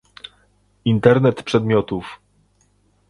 Internet przedmiotów